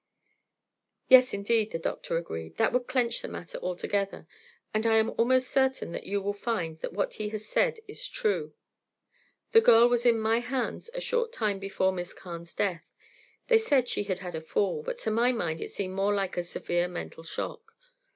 "Yes, indeed," the doctor agreed, "that would clench the matter altogether, and I am almost certain you will find that what he has said is true. The girl was in my hands a short time before Miss Carne's death. They said she had had a fall, but to my mind it seemed more like a severe mental shock.